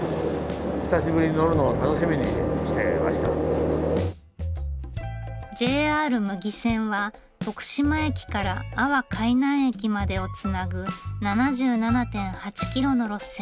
非常にＪＲ牟岐線は徳島駅から阿波海南駅までをつなぐ７７．８キロの路線。